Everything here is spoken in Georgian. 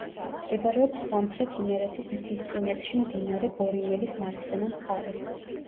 მდებარეობს სამხრეთ იმერთის მთისწინეთში მდინარე ბორიმელის მარცხენა მხარეს.